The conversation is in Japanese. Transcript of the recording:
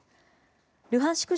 ルハンシク